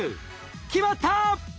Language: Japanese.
決まった！